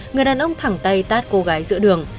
người đàn ông thẳng tay tát cô gái giữa đường